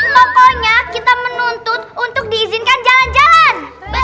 pokoknya kita menuntut untuk diizinkan jalan jalan